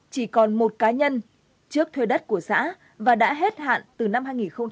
chỉ còn một cá nhân trước thuê đất của xã và đã hết hạn từ năm hai nghìn một mươi